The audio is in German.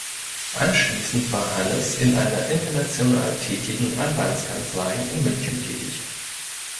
Anschließend war Hannes in einer international tätigen Anwaltskanzlei in München tätig.